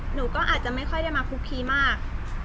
หนูก็อาจจะไม่ค่อยได้มาคุกคีมาก